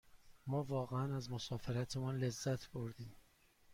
ما واقعاً از مسافرتمان لذت بردیم.